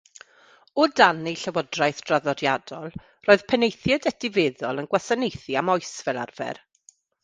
O dan eu llywodraeth draddodiadol, roedd penaethiaid etifeddol yn gwasanaethu am oes fel arfer.